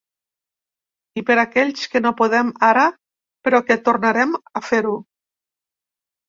I per aquells que no podem ara però que tornarem a fer-ho.